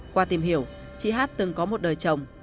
qua tìm hiểu chị hát từng có một đời chồng